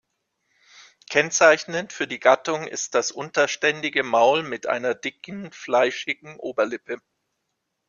Kennzeichnend für die Gattung ist das unterständige Maul mit einer dicken, fleischigen Oberlippe.